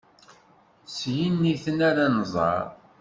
S yiniten ara nẓer.